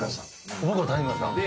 僕が谷村さん？